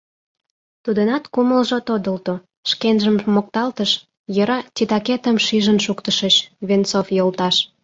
Тудынат кумылжо тодылто, шкенжым мокталтыш: «Йӧра, титакетым шижын шуктышыч, Венцов йолташ!